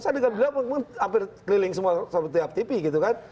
saya dengar benar benar hampir keliling semua sampai tiap tv gitu kan